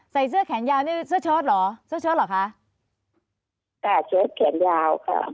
ใส่เสื้อแขนยาวนี่เสื้อช็อตเหรอเสื้อช็อตเหรอคะค่ะแขนยาวค่ะ